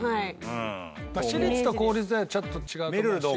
私立と公立ではちょっと違うと思うし。